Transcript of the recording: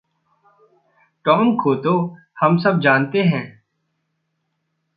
Tom को तो हम सब जानते हैं।